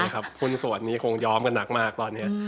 คุณสวรรค์นี้คงย้อมกันหนักมากตอนนี้